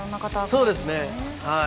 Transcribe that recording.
そうですねはい。